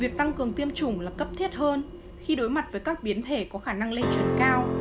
việc tăng cường tiêm chủng là cấp thiết hơn khi đối mặt với các biến thể có khả năng lây truyền cao